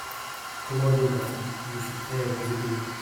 Commandez, ma fille, je suis prêt à vous obéir.